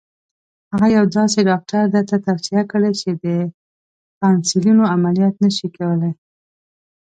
هغه یو داسې ډاکټر درته توصیه کړي چې د تانسیلونو عملیات نه شي کولای.